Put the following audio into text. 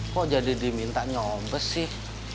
kok jadi diminta nyobet sih